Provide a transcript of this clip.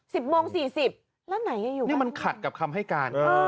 สิบโมงสี่สิบแล้วไหนอยู่นี่มันขัดกับคำให้การอ่า